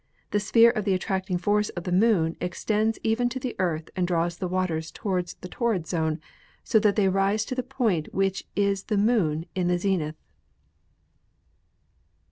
The sphere of the attracting force of the Moon ex tends even to the Earth and draws the waters toward the torrid zone, so that they rise to the point which is the Moon in the zenith."